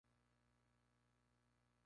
Los frutos maduros son comestibles.